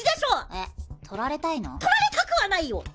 撮られたくはないよ！